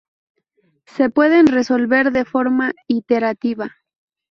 Se pueden resolver de forma iterativa.